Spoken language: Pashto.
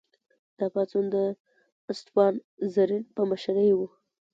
دا پاڅون د اسټپان رزین په مشرۍ و.